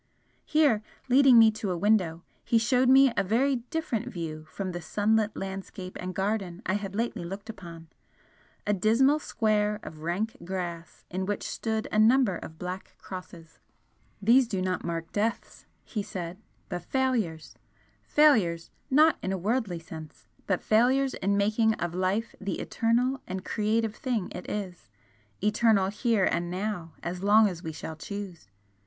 Here, leading me to a window, he showed me a very different view from the sunlit landscape and garden I had lately looked upon, a dismal square of rank grass in which stood a number of black crosses. "These do not mark deaths," he said "but failures! Failures not in a worldly sense but failures in making of life the eternal and creative thing it is eternal HERE and now, as long as we shall choose!